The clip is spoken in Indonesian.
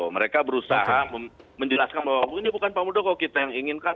mereka berusaha menjelaskan bahwa ini bukan pak muldoko kita yang inginkan